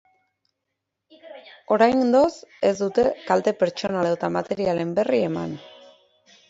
Oraingoz, ez dute kalte pertsonal edota materialen berri eman.